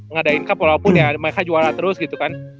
ngadain cup walaupun ya mereka juara terus gitu kan